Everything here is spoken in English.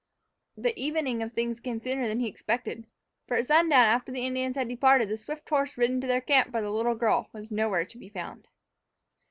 The evening of things came sooner than he expected. For at sundown, after the Indians had departed, the swift horse ridden to their camp by the little girl was nowhere to be found!